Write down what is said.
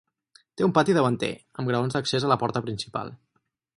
Té un pati davanter, amb graons d'accés a la porta principal.